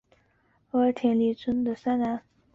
他是尾张国荒子城城主前田利春的三男。